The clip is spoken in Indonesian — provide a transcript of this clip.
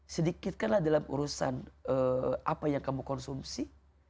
sedikitkanlah dalam urusan apa yang kamu konsumsi